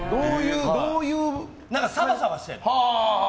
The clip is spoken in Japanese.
サバサバしてる。